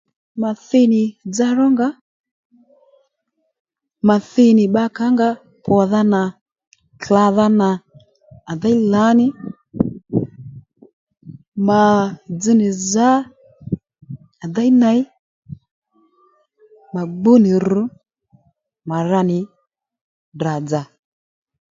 Mà thi nì dza ró nga mà thi nì bbakà ó nga pwòdha nà klàdha nà à déy lǎní mà dzz nì zǎ à dey ney mà gbú nì ru mà ra nì Ddrà dzà